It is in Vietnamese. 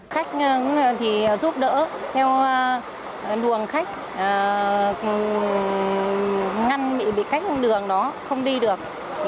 khách giúp đỡ theo đường khách ngăn bị cách đường đó không đi được